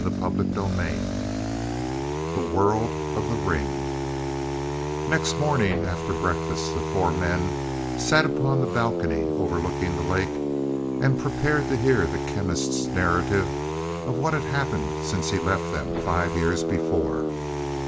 CHAPTER XX THE WORLD OF THE RING Next morning after breakfast the four men sat upon the balcony overlooking the lake, and prepared to hear the Chemist's narrative of what had happened since he left them five years before.